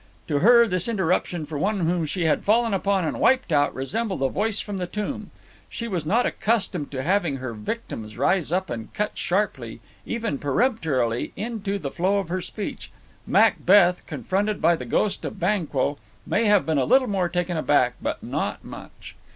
To her this interruption from one whom she had fallen upon and wiped out resembled a voice from the tomb. She was not accustomed to having her victims rise up and cut sharply, even peremptorily, into the flow of her speech. Macbeth, confronted by the ghost of Banquo, may have been a little more taken aback, but not much.